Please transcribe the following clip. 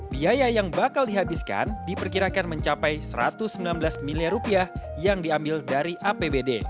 biaya yang bakal dihabiskan diperkirakan mencapai rp satu ratus sembilan belas miliar rupiah yang diambil dari apbd